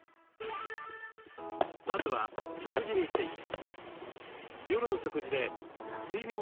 まずは食事について。